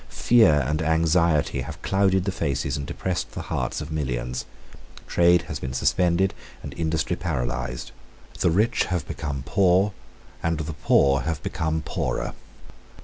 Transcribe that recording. Fear and anxiety have clouded the faces and depressed the hearts of millions. Trade has been suspended, and industry paralysed. The rich have become poor; and the poor have become poorer.